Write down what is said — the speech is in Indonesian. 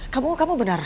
kamu kamu bener